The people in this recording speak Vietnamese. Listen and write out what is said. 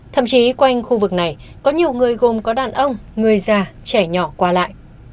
thậm chí quanh khu vực này có nhiều người gồm có đàn ông người già trẻ nhỏ qua lại